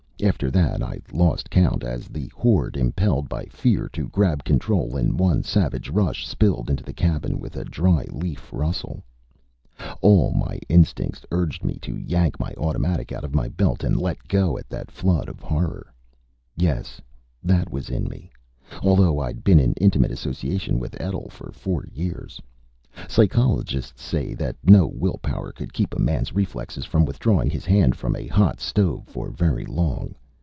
After that I lost count, as the horde, impelled by fear to grab control in one savage rush, spilled into the cabin with a dry leaf rustle. All my instincts urged me to yank my automatic out of my belt and let go at that flood of horror. Yes, that was in me, although I'd been in intimate association with Etl for four years. Psychologists say that no will power could keep a man's reflexes from withdrawing his hand from a hot stove for very long.